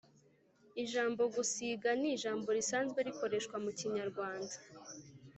Ijambo Gusiga ,ni ijambo risanzwe rikoreshwa mu kinyarwanda